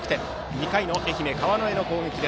２回の愛媛・川之江の攻撃。